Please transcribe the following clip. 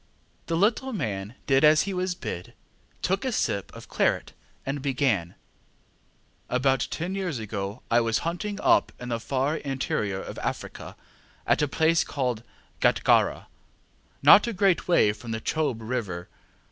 ŌĆØ The little man did as he was bid, took a sip of claret, and began: ŌĆ£About ten years ago I was hunting up in the far interior of Africa, at a place called Gatgarra, not a great way from the Chobe River.